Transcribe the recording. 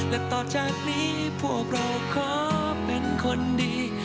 และต่อจากนี้พวกเราขอเป็นคนดี